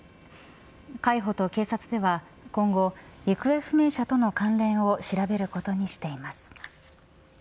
海保と警察では今後、行方不明者との関連を調べることにしています。